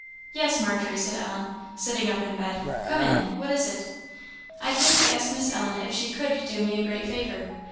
"Yes, Margery," said Ellen, sitting up in bed; "come in. What is it?" "I came to ask Miss Ellen if she could do me a great favour?